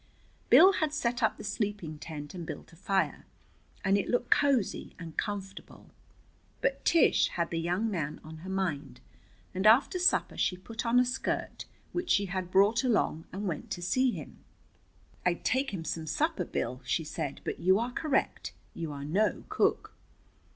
Bill had set up the sleeping tent and built a fire, and it looked cozy and comfortable. But Tish had the young man on her mind, and after supper she put on a skirt which she had brought along and went to see him. "I'd take him some supper, Bill," she said, "but you are correct: you are no cook."